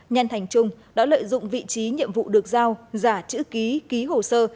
nhan thành trung đã lợi dụng vị trí nhiệm vụ được giao giả chữ ký ký hồ sơ